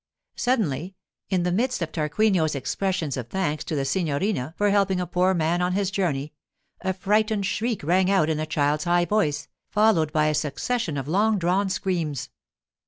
Suddenly, in the midst of Tarquinio's expressions of thanks to the signorina for helping a poor man on his journey, a frightened shriek rang out in a child's high voice, followed by a succession of long drawn screams.